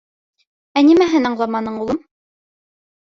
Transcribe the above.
— Ә нимәһен аңламаның, улым?